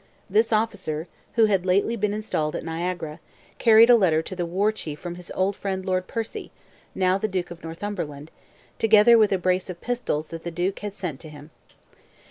This officer, who had lately been installed at Niagara, carried a letter to the War Chief from his old friend Lord Percy, now the Duke of Northumberland, together with a brace of pistols that the duke had sent to him.